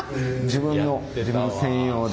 自分の専用で。